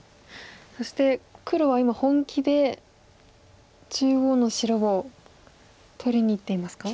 そして黒は今本気で中央の白を取りにいっていますか？